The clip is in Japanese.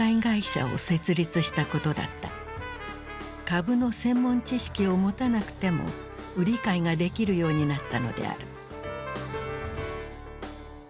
株の専門知識を持たなくても売り買いができるようになったのである。